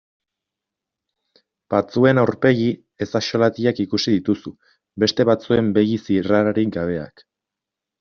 Batzuen aurpegi ezaxolatiak ikusi dituzu, beste batzuen begi zirrararik gabeak.